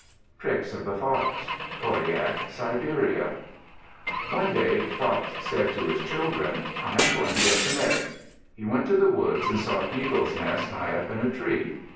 TRICKS OF THE FOX Koryak (Siberia) One day Fox said to his children, "I am going to get some eggs." He went to the woods and saw Eagle's nest high up in a tree.